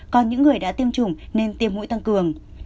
còn những người đã tiêm chủng nên tiêm mũi tăng cường